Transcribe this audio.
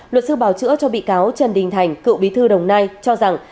luật sư bảo chữa cho bị cáo trần đình thành cựu bí thư đồng nai cho rằng